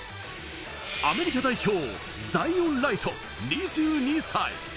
アメリカ代表、ザイオン・ライト２２歳。